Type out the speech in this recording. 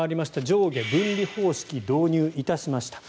上下分離方式導入いたしました。